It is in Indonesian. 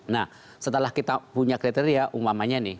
nah setelah kita punya kriteria umpamanya nih